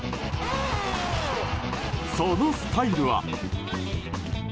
そのスタイルは。